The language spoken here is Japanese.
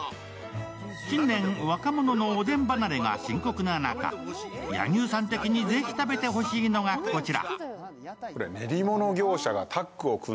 近年、若者のおでん離れが深刻な中柳生さん的にぜひ食べてほしいのがこちら。